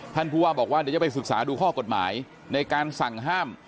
ผู้ว่าบอกว่าเดี๋ยวจะไปศึกษาดูข้อกฎหมายในการสั่งห้าม